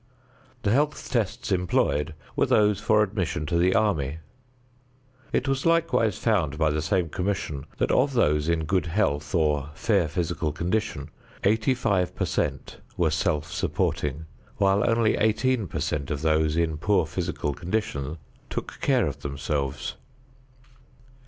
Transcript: The health tests employed were those for admission to the army. It was likewise found by the same commission that of those in good health or fair physical condition, eighty five per cent were self supporting, while only eighteen per cent of those in poor physical condition took care of themselves.